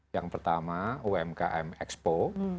yang pertama umkm expo